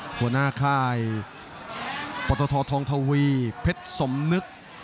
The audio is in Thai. หัวหน้าค่ายปตททองทวีเพชรสมนึก